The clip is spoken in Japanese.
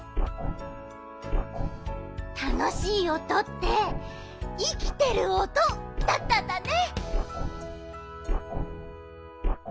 たのしいおとっていきてるおとだったんだね。